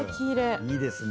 いいですね。